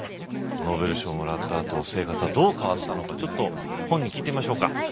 ノーベル賞をもらったあと生活はどう変わったのかちょっと本人に聞いてみましょうか。